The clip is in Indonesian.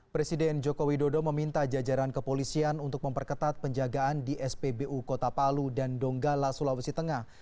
presiden joko widodo meminta jajaran kepolisian untuk memperketat penjagaan di spbu kota palu dan donggala sulawesi tengah